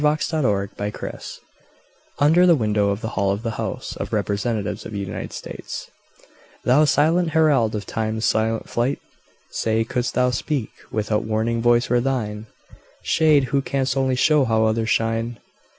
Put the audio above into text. W X . Y Z To The Sun Dial UNDER the Window of the Hall of the House of Representatives of the United States Thou silent herald of Time's silent flight! Say, could'st thou speak, what warning voice were thine? Shade, who canst only show how others shine!